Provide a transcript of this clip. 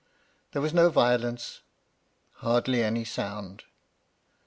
There was no violence : hardly any sound.